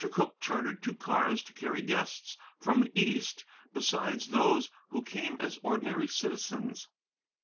Cooke chartered two cars to carry guests from the East, besides those who came as ordinary citizens.